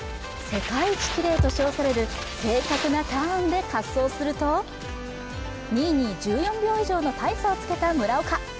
世界一きれいと称される正確なターンで滑走すると２位に１４秒以上の大差をつけた村岡。